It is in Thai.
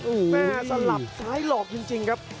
แม่สลับซ้ายหลอกจริงครับ